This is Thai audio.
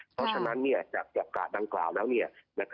เพราะฉะนั้นเนี่ยจากแก่อากาศดังกล่าวแล้วเนี่ย